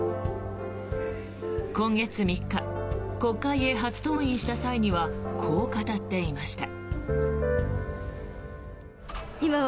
今月３日国会へ初登院した際にはこう語っていました。